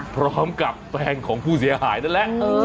พร้อมกับแฟนของผู้เสียหายนั่นแหละ